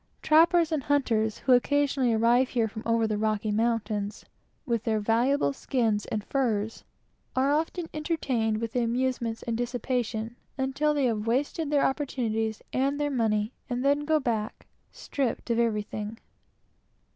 Trappers and hunters, who occasionally arrive here from over the Rocky mountains, with their valuable skins and furs, are often entertained with every sort of amusement and dissipation, until they have wasted their time and their money, and go back, stripped of everything.